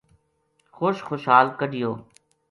خوش خُشحال کَڈہیو